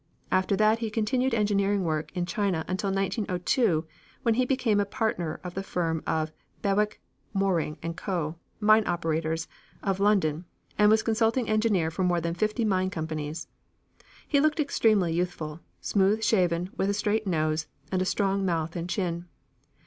After that he continued engineering work in China until 1902, when he became a partner of the firm of Bewick, Moreing & Co., mine operators, of London, and was consulting engineer for more than fifty mining companies. He looked extremely youthful; smooth shaven, with a straight nose, and a strong mouth and chin.